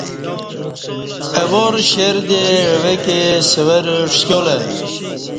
اہ وار شیردے عوہ کے سورہ ݜیالہ